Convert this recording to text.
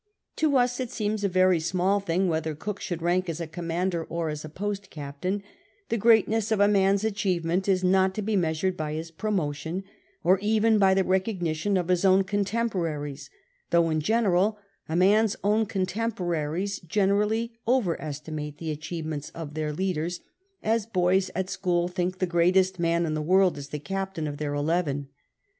To us it seems a very small thing whether Cook should rank as a commander or as a post captain ; the greatness of a man's achievement is not to be measured by his promotion, or even by the recoguitiou of his own contempoiurios, though, in general, a man's own contemporaries generally overestimate the achievements of their leaders — as boys at school think the greatest man in the world is the captain of their eleven.